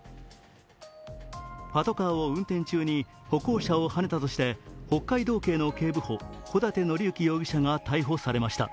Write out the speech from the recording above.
パトカーを運転中に歩行者をはねたとして北海道警の警部補・小舘紀幸容疑者が逮捕されました。